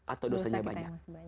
atau dosanya banyak